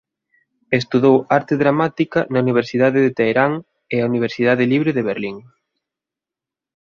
Estudou arte dramática na Universidade de Teherán e a Universidade Libre de Berlín.